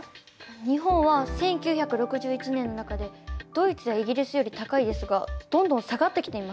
日本は１９６１年の中でドイツやイギリスより高いですがどんどん下がってきています。